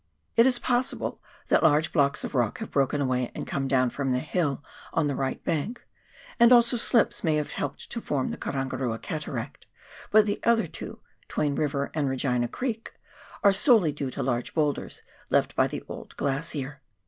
It is possible that large blocks of rock have broken away and come down from the hill on the right bank, and also slips may have helped to form Karangarua Cataract, but the other two — Twain River and Regina Creek — are solely due to large boulders left by the old glacier.